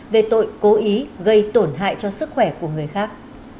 về tội cố ý gây tổn hại cho sức khỏe của người khác